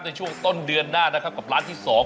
ในช่วงต้นเดือนหน้านะครับกับร้านที่๒